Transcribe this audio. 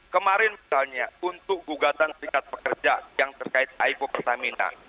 kemarin misalnya untuk gugatan serikat pekerja yang terkait aipo pertamina